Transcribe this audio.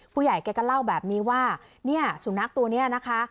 ผู้ใหญ่แกก็เล่าแบบนี้ว่าเนี่ยสุนัขตัวเนี่ยนะคะ